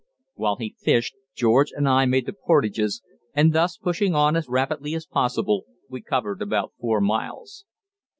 While he fished, George and I made the portages, and thus, pushing on as rapidly as possible, we covered about four miles.